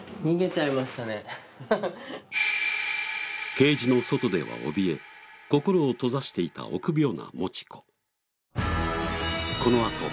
ケージの外ではおびえ心を閉ざしていた臆病なもち子。